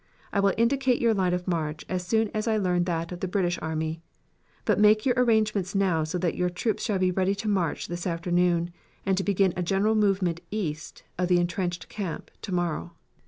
I will indicate your line of march as soon as I learn that of the British army. But make your arrangements now so that your troops shall be ready to march this afternoon and to begin a general movement east of the intrenched camp tomorrow.